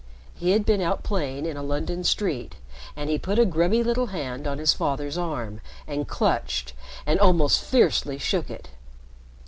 He had been out playing in a London street, and he put a grubby little hand on his father's arm, and clutched and almost fiercely shook it.